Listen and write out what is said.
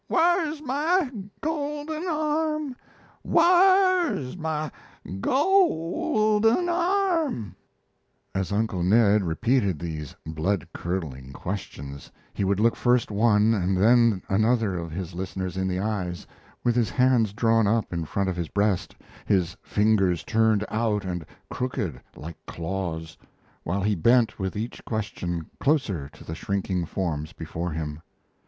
W h a r r's my golden arm? W h a r r's my g o l den arm?" As Uncle Ned repeated these blood curdling questions he would look first one and then another of his listeners in the eyes, with his bands drawn up in front of his breast, his fingers turned out and crooked like claws, while he bent with each question closer to the shrinking forms before him.